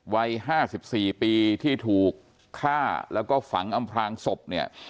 วัย๕๔ปีที่ถูกฆ่าแล้วก็ฝังอำพลางศพเนี่ย